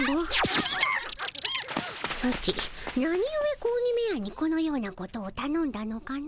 ソチなにゆえ子鬼めらにこのようなことをたのんだのかの？